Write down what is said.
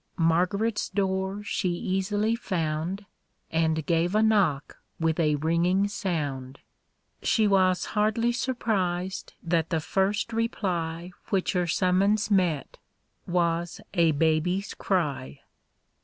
Margaret's door she easily found, And gave a knock with a ringing sound : She was hardly surprised that the first reply Which her summons met was a baby's cry